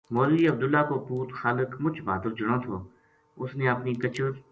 مولوی عبداللہ کو پُوت خالق مُچ بھادر جنو تھو اس نے اپنی کچر